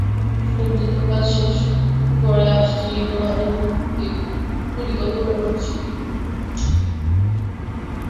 খুব দ্রুত কাজ শেষ করে আসছে ঈদুল আজহায় মুক্তির পরিকল্পনা করছি।